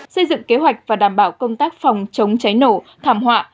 xây dựng kế hoạch và đảm bảo công tác phòng chống cháy nổ thảm họa